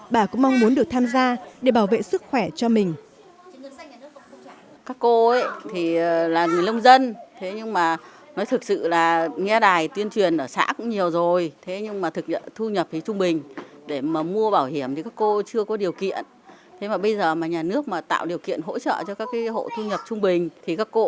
bà cũng mong muốn được tham gia để bảo vệ sức khỏe cho mình